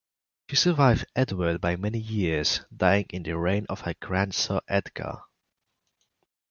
She survived Edward by many years, dying in the reign of her grandson Edgar.